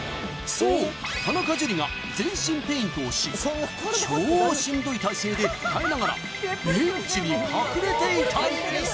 そう田中樹が全身ペイントをし超しんどい体勢で耐えながらベンチに隠れていたんです